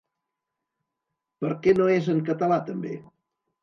Per què no és en català, també?